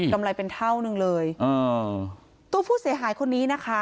ำไรเป็นเท่านึงเลยอ่าตัวผู้เสียหายคนนี้นะคะ